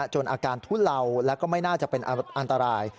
จนอาการทุเลาแล้วก็ไม่น่าจะเป็นอันตราย